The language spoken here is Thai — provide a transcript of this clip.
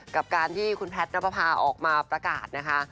กับการที่คุณแพทย์นับประพาออกมาประกาศนะคะ